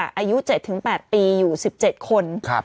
อายุ๗๘ปีอยู่๑๗คน